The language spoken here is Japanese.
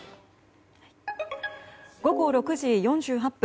午後６時４８分。